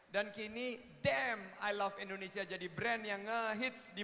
dan kini damn i love indonesia jadi brand yang ngehits di indonesia